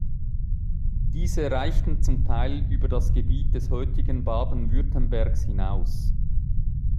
Diese reichten zum Teil über das Gebiet des heutigen Baden-Württembergs hinaus.